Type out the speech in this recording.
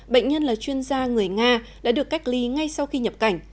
bệnh nhân là chuyên gia người nga đã được cách ly ngay sau khi nhập cảnh